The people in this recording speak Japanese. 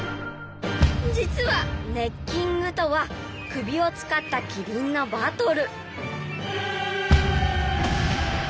実は「ネッキング」とは首を使ったキリンのバトル。